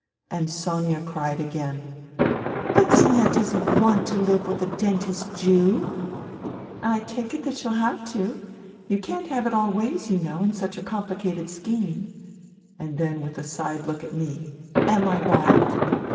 And Sonia cried again, " But Zina doesn't want to live with the dentist Jew !"" I take it that she'll have to. You can't have it all ways, you know, in such a complicated scheme." THE THREE SISTERS 71 And then with a side look at me, " Am I right